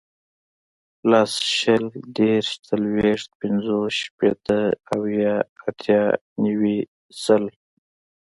لس, شل, دېرش, څلوېښت, پنځوس, شپېته, اویا, اتیا, نوي, سل